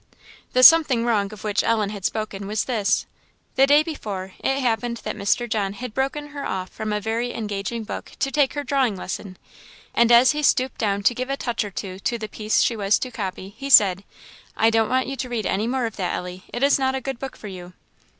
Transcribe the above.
The "something wrong," of which Ellen had spoken, was this. The day before, it happened that Mr. John had broken her off from a very engaging book to take her drawing lesson; and as he stooped down to give a touch or two to the piece she was to copy, he said, "I don't want you to read any more of that, Ellie; it is not a good book for you."